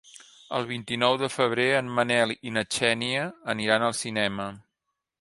El vint-i-nou de febrer en Manel i na Xènia aniran al cinema.